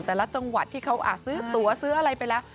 แต่ละจังหวัดที่เขาซื้อตัวซื้ออะไรไปแล้ว